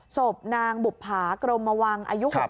ศพนางบุภากรมวัง